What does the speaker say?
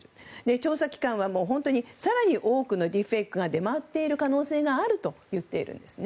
調査機関は本当に更に多くのディープフェイクが出回っている可能性があると言っているんですね。